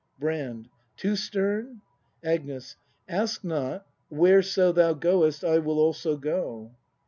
Brand. Too stern ? Agnes. Ask not; whereso Thou goest, I will also go!